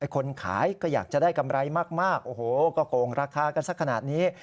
คนขายก็อยากจะได้กำไรมากโอ้โหก็โกงราคากันสักขนาดนี้